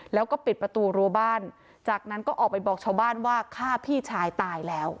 แล้วก็ปิดประตูรั้วบ้านจากนั้นก็ออกไปบอกชาวบ้านว่าฆ่าพี่ชายตายแล้ว